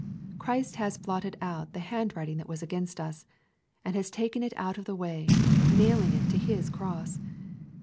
Christ has blotted out the hand writing that was against us, and has taken it out of the way, nailing it to His cross.